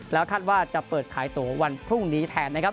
แล้วคาดว่าจะเปิดขายตัววันพรุ่งนี้แทนนะครับ